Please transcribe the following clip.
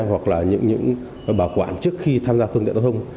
hoặc là những những bảo quản trước khi tham gia thương tiện thông